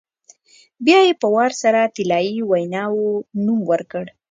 بیا یې په وار سره طلایي ویناوی نوم ورکړ.